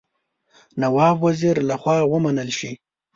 نواب وزیر له خوا ومنل شي.